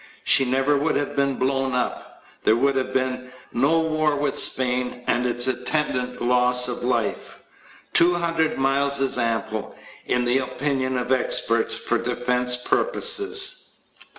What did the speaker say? She never would have been blown up. There would have been no war with Spain with its attendant loss of life. Two hundred miles is ample, in the opinion of experts, for defense purposes.